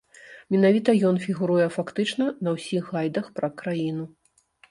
Менавіта ён фігуруе фактычна на ўсіх гайдах пра краіну.